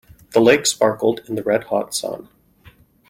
The lake sparkled in the red hot sun.